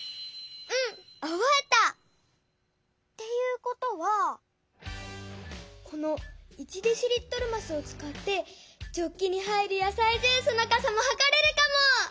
うんおぼえた！っていうことはこの１デシリットルますをつかってジョッキに入るやさいジュースのかさもはかれるかも！